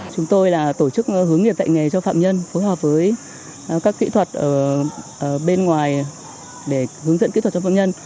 chúng tôi là tổ chức hướng nghiệp dạy nghề cho phạm nhân phối hợp với các kỹ thuật ở bên ngoài để hướng dẫn kỹ thuật cho phạm nhân